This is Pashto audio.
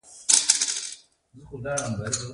د اناناس کمپوټ وارداتی دی.